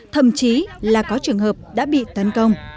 thậm chí là có trường hợp đã bị tấn công